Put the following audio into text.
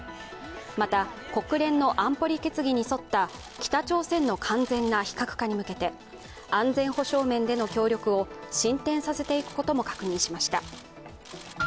また、国連の安保理決議に沿った北朝鮮の完全な非核化に向けて安全保障面での協力を進展させていくことも確認しました。